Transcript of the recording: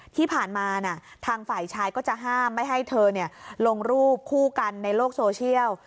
ที่ผ่านมาทางฝ่ายชายก็จะห้ามไม่ให้เธอลงรูปคู่กันในโลกโซเชียล